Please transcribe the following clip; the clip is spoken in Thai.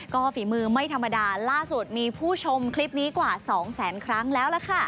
ก็ฝีมือไม่ธรรมดาล่าสุดมีผู้ชมคลิปนี้กว่า๒แสนครั้งแล้วล่ะค่ะ